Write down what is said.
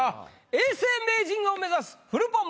永世名人を目指すフルポン